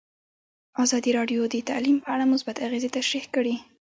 ازادي راډیو د تعلیم په اړه مثبت اغېزې تشریح کړي.